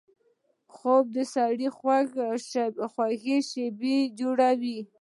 خوب د سړي خوږې شیبې جوړوي